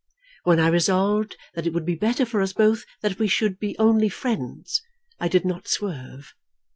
When I resolved that it would be better for us both that we should be only friends, I did not swerve.